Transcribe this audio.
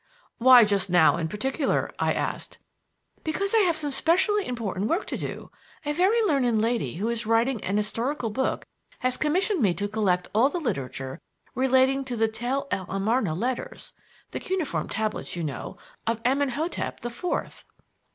"Why just now in particular?" I asked. "Because I have some specially important work to do. A very learned lady who is writing an historical book has commissioned me to collect all the literature relating to the Tell el Amarna letters the cuneiform tablets, you know, of Amenhotep the Fourth."